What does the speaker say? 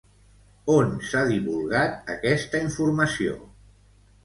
On s'ha divulgat aquesta informació?